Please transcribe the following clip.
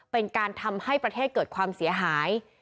เป็นการทำให้ประเทศเกิดความเสียหาย